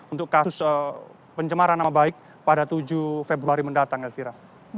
untuk kasus pencemaran nama baik pada tujuh februari mendatang elvira